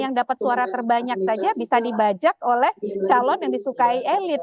yang dapat suara terbanyak saja bisa dibajak oleh calon yang disukai elit